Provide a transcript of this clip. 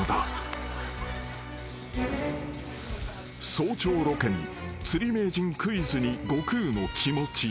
［早朝ロケに釣り名人クイズに悟空のきもち］